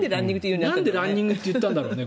なんでランニングって言ったんだろうね？